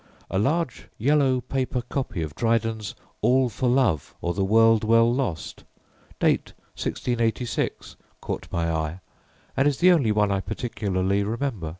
A large yellow paper copy of Dryden's All for Love, or the World Well Lost, date 1686, caught my eye, and is the only one I particularly remember."